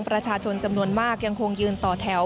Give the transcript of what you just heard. ประชาชนจำนวนมากยังคงยืนต่อแถว